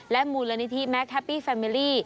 มูลนิธิแมคแฮปปี้แฟมิลี่